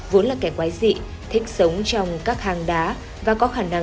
vốn là kẻ quái dị thích sống trong các hang đá